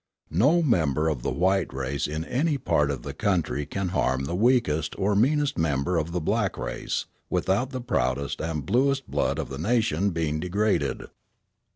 No member of the white race in any part of the country can harm the weakest or meanest member of the black race without the proudest and bluest blood of the nation being degraded.